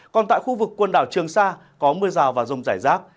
còn tại khu vực quần đảo trường sa có mưa rào và rông rải rác